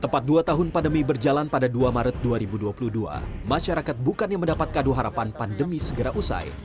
tepat dua tahun pandemi berjalan pada dua maret dua ribu dua puluh dua masyarakat bukannya mendapat kado harapan pandemi segera usai